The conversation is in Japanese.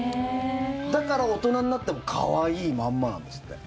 だから大人になっても可愛いまんまなんですって。